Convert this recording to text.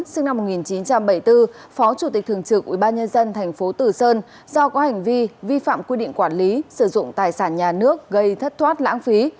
sinh năm một nghìn chín trăm bảy mươi bốn phó chủ tịch thường trực ubnd tp tử sơn do có hành vi vi phạm quy định quản lý sử dụng tài sản nhà nước gây thất thoát lãng phí